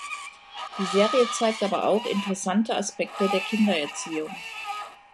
Die Serie zeigt aber auch interessante Aspekte der Kindererziehung.